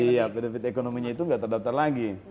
iya benefit ekonominya itu nggak terdaftar lagi